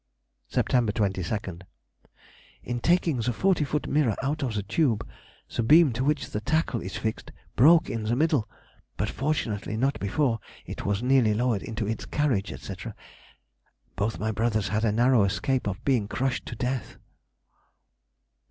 Sept. 22nd.—In taking the forty foot mirror out of the tube, the beam to which the tackle is fixed broke in the middle, but fortunately not before it was nearly lowered into its carriage, &c., &c. Both my brothers had a narrow escape of being crushed to death.